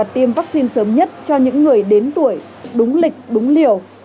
tiêm vaccine sớm nhất cho những người đến tuổi đúng lịch đúng liều